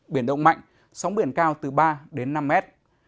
biển động mạnh sóng biển cao từ ba đến năm mét